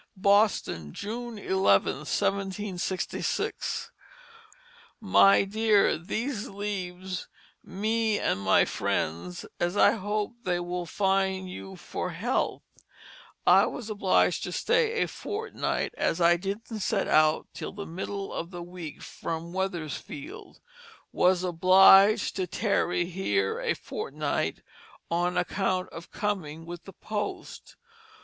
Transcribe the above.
"BOSTON, June 11, 1766. My Dear these leaves me and my friends as I hope they will find you for health. I was obliged to stay a fortnight as I didn't set out till the middle of the week from Weathersfield, was obliged to tarry here a fortnight on account of coming with the Post.